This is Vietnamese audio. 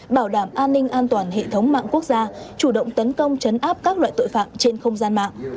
bảo đảm an ninh an toàn hệ thống mạng quốc gia chủ động tấn công chấn áp các loại tội phạm trên không gian mạng